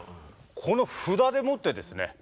この札でもってですね